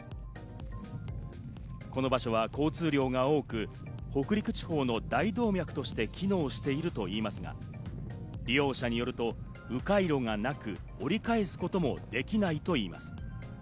この場所は交通量が多く、北陸地方の大動脈として機能しているといいますが、利用者によると、迂回路がなく、折り返すこともできないといいます。